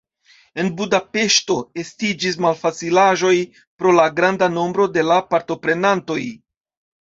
En Budapeŝto estiĝis malfacilaĵoj pro la granda nombro de la partoprenantoj.